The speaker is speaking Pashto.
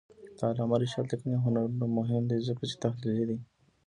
د علامه رشاد لیکنی هنر مهم دی ځکه چې تحلیلي دی.